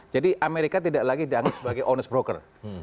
jadi amerika tidak lagi dianggis sebagai honest broker